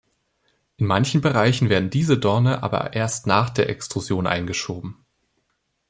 In manchen Bereichen werden diese Dorne auch erst nach der Extrusion eingeschoben.